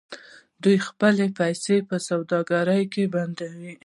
دوی خپلې پیسې په سوداګرۍ کې بندوي.